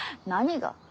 何が？